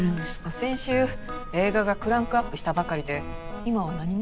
先週映画がクランクアップしたばかりで今は何も。